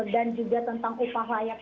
dan juga tentang upah layak